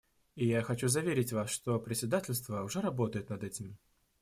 И я хочу заверить вас, что председательство уже работает над этим.